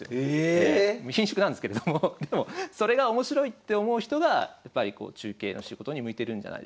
ええ⁉ひんしゅくなんですけれどもでもそれが面白いって思う人がやっぱりこう中継の仕事に向いてるんじゃないでしょうかね。